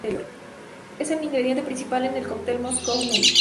Es el ingrediente principal en el cóctel Moscow Mule.